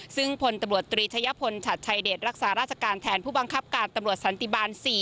ซึ่งพลตำรวจตรีชะยะพลฉัดชัยเดชรักษาราชการแทนผู้บังคับการตำรวจสันติบาล๔